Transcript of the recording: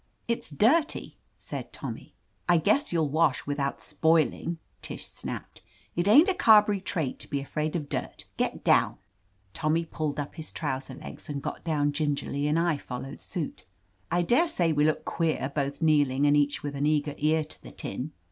"It's dirty," said Tommy. "I guess you'll wash without spoiling," Tish snapped. "It ain't a Carberry trait to be afraid of dirt. Get down." Tommy pulled up his trousers legs and got down gingerly, and I followed suit. I daresay we looked queer, both kneeling, and each with an eager ear to the tin.